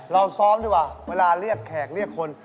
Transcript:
เราซ้อมดีกว่าเวลาเรียกแขกเรียกคน